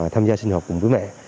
tham gia sinh học cùng với mẹ